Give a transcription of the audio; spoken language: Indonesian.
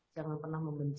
jangan pernah membenci